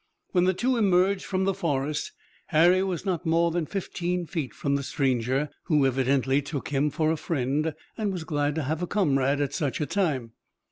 When the two emerged from the forest Harry was not more than fifteen feet from the stranger, who evidently took him for a friend and who was glad to have a comrade at such a time.